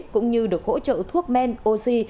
cũng như được hỗ trợ thuốc men oxy